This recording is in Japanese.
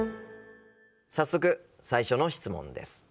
早速最初の質問です。